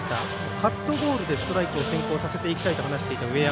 カットボールでストライクを先行させていきたいと話していた上山。